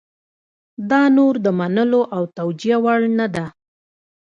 دا نور د منلو او توجیه وړ نه ده.